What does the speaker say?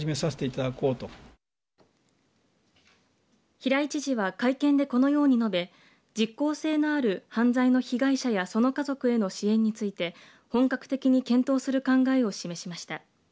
平井知事は会見でこのように述べ実効性のある犯罪の被害者やその家族への支援について本格的に検討する考えを示しました。